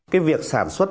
cái việc sản xuất